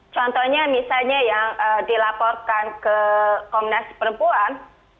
contohnya misalnya yang dilaporkan ke komnas perempuan